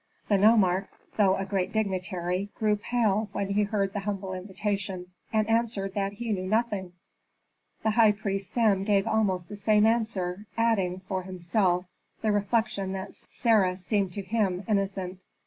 The nomarch, though a great dignitary, grew pale when he heard the humble invitation, and answered that he knew nothing. The high priest Sem gave almost the same answer, adding, for himself, the reflection that Sarah seemed to him innocent.